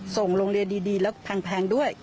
ส่งโรงเรียนดีแล้วแพงด้วย